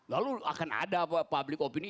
lalu akan ada public opini